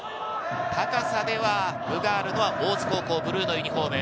高さでは分があるのは大津高校、ブルーのユニホーム。